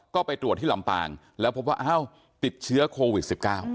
ก็ไปตรวจที่ลำปางแล้วพบว่าอ้าวติดเชื้อโควิด๑๙